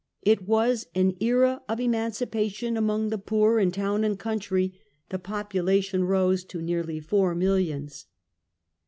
It was an era of emancipation among the poor in town and country. The population rose to nearly four millions.